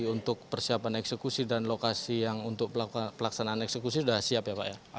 untuk persiapan eksekusi dan lokasi yang untuk pelaksanaan eksekusi sudah siap ya pak ya